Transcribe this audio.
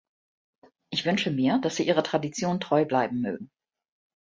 Ich wünsche mir, dass sie ihrer Tradition treu bleiben mögen.